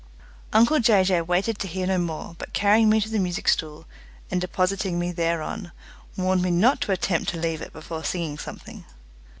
Uncle Jay Jay waited to hear no more, but carrying me to the music stool, and depositing me thereon, warned me not to attempt to leave it before singing something.